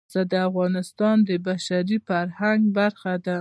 پسه د افغانستان د بشري فرهنګ برخه ده.